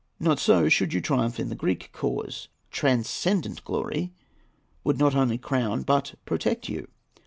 Not so, should you triumph in the Greek cause. Transcendent glory would not only crown but protect you.